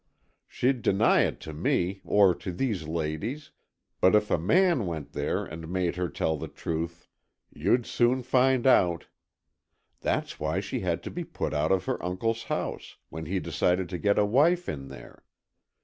She'd deny it to me, or to these ladies, but if a man went there and made her tell the truth, you'd soon find out! That's why she had to be put out of her uncle's house, when he decided to get a wife in there.